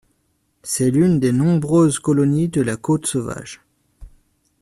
C'est l'une des nombreuses colonies de la Côte Sauvage.